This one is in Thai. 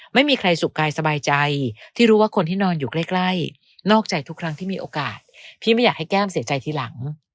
ไม่มีใครสุขกายสบายใจที่รู้ว่าคนที่นอนอยู่ใกล้นอกใจทุกครั้งที่มีโอกาสพี่ไม่อยากให้แก้มเสียใจทีหลัง